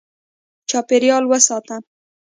چاپېریال وساته.